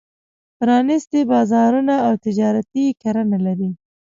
پرانېستي بازارونه او تجارتي کرنه لري.